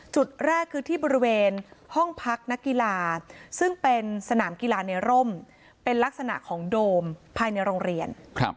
จุดแรกคือที่บริเวณห้องพักนักกีฬาซึ่งเป็นสนามกีฬาในร่มเป็นลักษณะของโดมภายในโรงเรียน